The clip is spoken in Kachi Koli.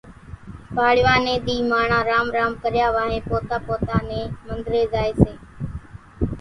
پاڙوا ني ۮي ماڻۿان رام رام ڪريا وانھين پوتا پوتا نين منۮرين زائي سي،